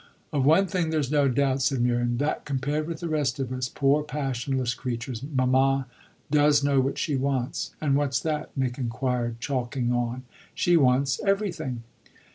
"Of one thing there's no doubt," said Miriam: "that compared with the rest of us poor passionless creatures mamma does know what she wants." "And what's that?" Nick inquired, chalking on. "She wants everything."